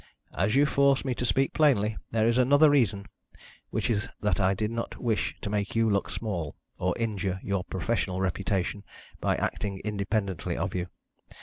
As you force me to speak plainly, there is another reason, which is that I did not wish to make you look small, or injure your professional reputation, by acting independently of you.